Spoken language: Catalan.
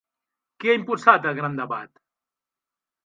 Qui ha impulsat el Gran debat?